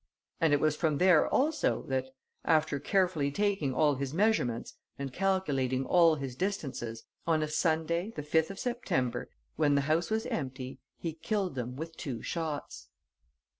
And it was from there, also, that, after carefully taking all his measurements, and calculating all his distances, on a Sunday, the 5th of September, when the house was empty, he killed them with two shots."